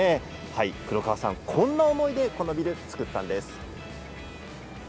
黒川さんはこんな思いでビルを造ったんです。